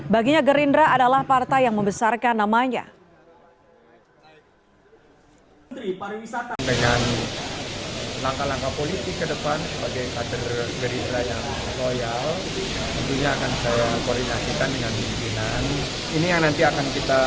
baginya gerindra adalah partai yang membesarkan namanya